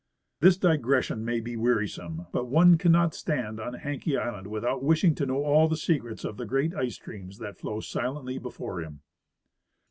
This digression may be wearisome, but one cannot stand on Haenke island without wishing to know all the secrets of the great ice streams that flow silently before him.